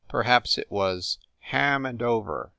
Perhaps it was "ham and over!"